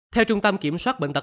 theo trung tâm kiểm soát bệnh tật